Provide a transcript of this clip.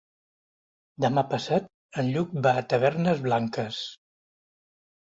Demà passat en Lluc va a Tavernes Blanques.